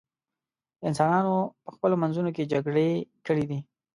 انسانانو په خپلو منځونو کې جګړې کړې دي.